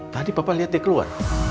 tadi papa lihat dia keluar